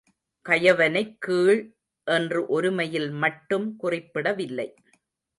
கயவனைக் கீழ் என்று ஒருமையில் மட்டும் குறிப்பிடவில்லை.